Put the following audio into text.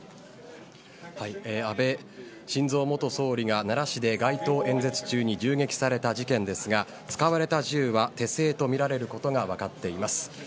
安倍晋三元総理が奈良市で街頭演説中に銃撃された事件ですが使われた銃は手製とみられることが分かっています。